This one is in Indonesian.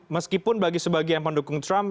meskipun bagi sebagian pendukung trump